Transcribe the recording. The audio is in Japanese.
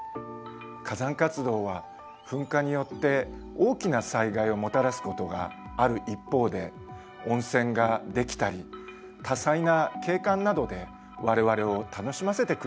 火山活動は噴火によって大きな災害をもたらすことがある一方で温泉ができたり多彩な景観などで我々を楽しませてくれるんです。